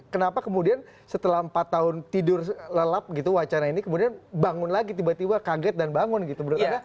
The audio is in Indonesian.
kenapa kemudian setelah empat tahun tidur lelap gitu wacana ini kemudian bangun lagi tiba tiba kaget dan bangun gitu menurut anda